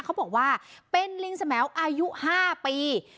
เขาบอกว่าเป็นลิงสมแอวอายุ๕ปี